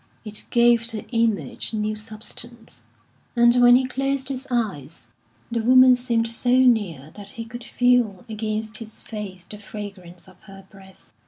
It gave the image new substance; and when he closed his eyes, the woman seemed so near that he could feel against his face the fragrance of her breath.